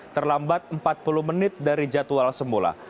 terlambat empat puluh menit dari jadwal semula